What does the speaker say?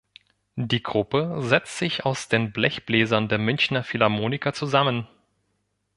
Die Gruppe setzt sich aus den Blechbläsern der Münchner Philharmoniker zusammen.